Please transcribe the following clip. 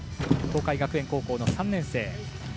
東海学園高校の３年生。